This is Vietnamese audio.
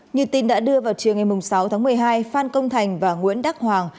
như tin đã đưa vào chiều ngày sáu tháng một mươi hai phan công thành và nguyễn đắc hoàng